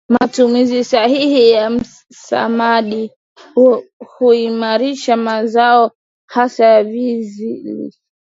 matumizi sahihi ya samadi huimarisha mazao hasa ya viazi lishe